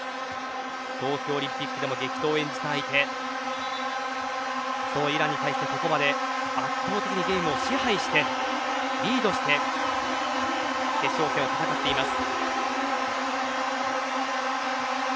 東京オリンピックでも激闘を演じた相手そのイランに対して、ここまで圧倒的にゲームを支配してリードして決勝戦を戦っています。